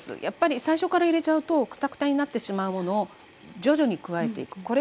やっぱり最初から入れちゃうとくたくたになってしまうものを徐々に加えていく。